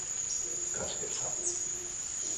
がちでさ